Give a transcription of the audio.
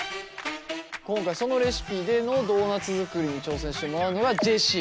今回そのレシピでのドーナツ作りに挑戦してもらうのがジェシー。